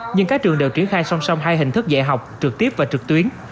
nhưng các trường đều triển khai song song hai hình thức dạy học trực tiếp và trực tuyến